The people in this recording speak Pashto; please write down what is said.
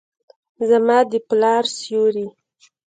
زما د پلار سیوري ،